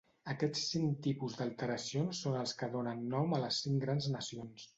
Aquests cinc tipus d'alteracions són els que donen nom a les cinc grans nacions.